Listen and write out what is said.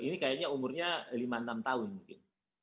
ini kayaknya umurnya lima enam tahun mungkin